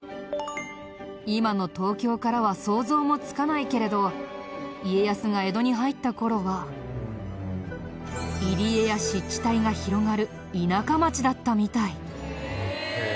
今の東京からは想像もつかないけれど家康が江戸に入った頃は入り江や湿地帯が広がる田舎町だったみたい。